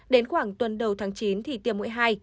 đến khoảng tuần đầu tháng chín thì tiêm mũi hai